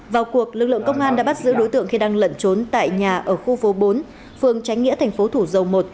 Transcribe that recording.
vào cuộc lực lượng công an đã bắt giữ đối tượng khi đang lẩn trốn tại nhà ở khu phố bốn phường tránh nghĩa thành phố thủ dầu một